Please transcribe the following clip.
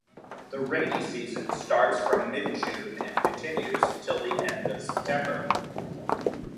The rainy season starts from mid-June and continues till the end of September.